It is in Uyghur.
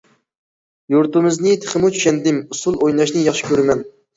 يۇرتىمىزنى تېخىمۇ چۈشەندىم، ئۇسسۇل ئويناشنى ياخشى كۆرىمەن.